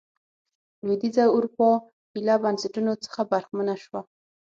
لوېدیځه اروپا ایله بنسټونو څخه برخمنه شوه.